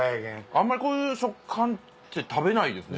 あんまりこういう食感って食べないですね。